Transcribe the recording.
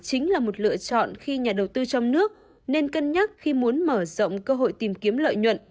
chính là một lựa chọn khi nhà đầu tư trong nước nên cân nhắc khi muốn mở rộng cơ hội tìm kiếm lợi nhuận